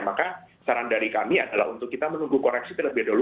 maka saran dari kami adalah untuk kita menunggu koreksi terlebih dahulu